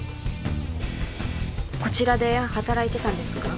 こちらで働いてたんですか？